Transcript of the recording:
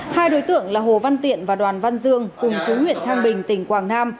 hai đối tượng là hồ văn tiện và đoàn văn dương cùng chú huyện thăng bình tỉnh quảng nam